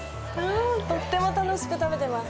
とっても楽しく食べてます！